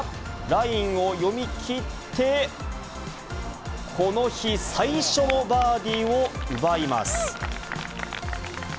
ラインを読み切って、この日、最初のバーディーを奪います。